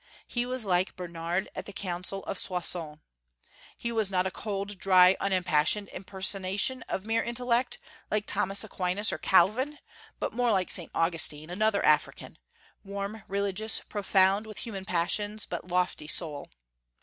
He was like Bernard at the council of Soissons. He was not a cold, dry, unimpassioned impersonation of mere intellect, like Thomas Aquinas or Calvin, but more like St. Augustine, another African, warm, religious, profound, with human passions, but lofty soul.